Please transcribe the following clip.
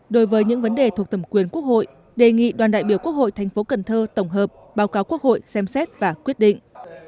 đối với những vấn đề thuộc thẩm quyền quốc hội đề nghị đoàn đại biểu quốc hội thành phố cần thơ tổng hợp báo cáo quốc hội xem xét và quyết định